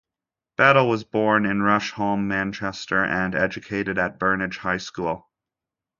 Badel was born in Rusholme, Manchester, and educated at Burnage High School.